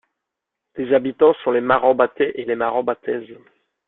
Les habitants sont les Marambatais et les Marambataises.